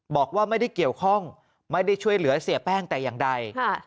บอกว่าไม่ได้เกี่ยวข้องไม่ได้ช่วยเหลือเสียแป้งแต่อย่างใด